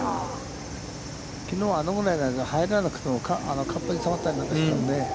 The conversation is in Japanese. きのうは、あのぐらいだと入らなくても、カップにさわったりなんかしてたので。